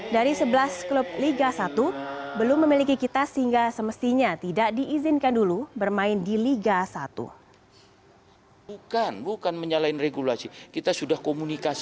dari sebuah kota yang berada di kota kota